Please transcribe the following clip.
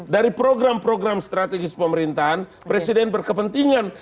dari program program strategis pemerintahan presiden berkepentingan